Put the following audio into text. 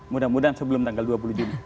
mudah mudahan sebelum tanggal dua puluh juni